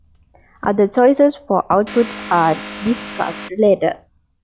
Other choices for output are discussed later.